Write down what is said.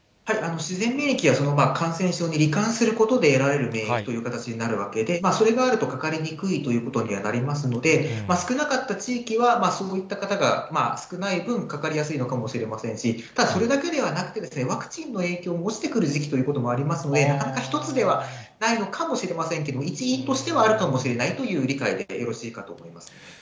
自然免疫は感染症にり患することで得られる免疫という形になるわけで、それがあるとかかりにくいということにはなりますので、少なかった地域はそういった方が少ない分、かかりやすいのかもしれませんし、ただ、それだけではなくて、ワクチンの影響も落ちてくる時期ということもありますので、何か一つではないのかもしれませんけれども、一因としてはあるかもしれないという理解でよろしいかと思います。